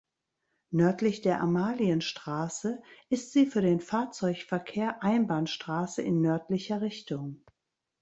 Nördlich der Amalienstraße ist sie für den Fahrzeugverkehr Einbahnstraße in nördlicher Richtung.